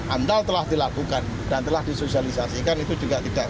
andal telah dilakukan dan telah disosialisasikan itu juga tidak